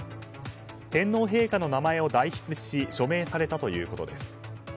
天皇陛下の名前を代筆し署名されたということです。